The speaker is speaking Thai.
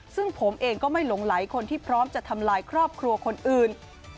ซึ่งผมเองก็ไม่หลงไหลคนที่พร้อมจะทำลายครอบครัวคนอื่น